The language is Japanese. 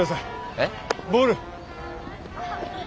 えっ？ボール。